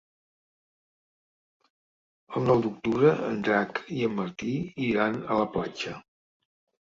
El nou d'octubre en Drac i en Martí iran a la platja.